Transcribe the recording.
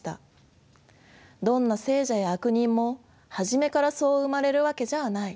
どんな聖者や悪人も初めからそう生まれるわけじゃない。